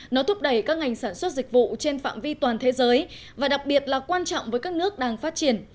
nó thúc đẩy các ngành sản xuất dịch vụ trên phạm vi toàn thế giới và đặc biệt là quan trọng với các nước đang phát triển